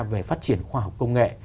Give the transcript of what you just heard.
về phát triển khoa học công nghệ